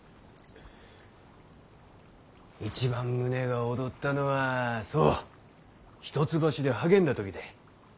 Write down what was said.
一番胸が躍ったのはそう一橋で励んだ時だ。